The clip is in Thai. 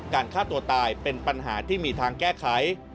ฆ่าตัวตายเป็นปัญหาที่มีทางแก้ไข